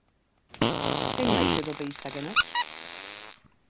¡Quen máis europeísta que nós!